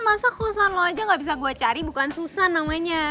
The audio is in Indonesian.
masa kosan lo aja gak bisa gue cari bukan susan namanya